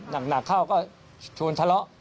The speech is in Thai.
หนักเข้าก็ชวนทะเลาะ